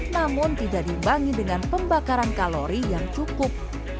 namun tidak diimbangi dengan pembakaran kalori yang cukup